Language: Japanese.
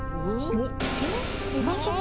おっ！？